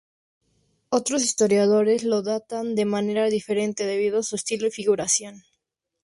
Otros historiadores lo datan de manera diferente debido a su estilo y figuración.